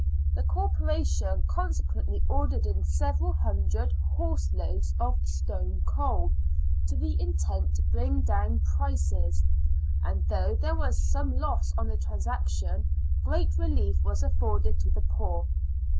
The Corporation consequently ordered in several hundred horse loads of " stone coal, to the intent to bring down " prices ; and though there was some loss on the transaction, great relief was afforded to the poor.